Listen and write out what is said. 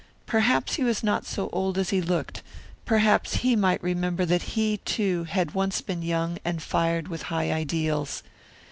Perhaps he was not so old as he looked; perhaps he might remember that he, too, had once been young and fired with high ideals.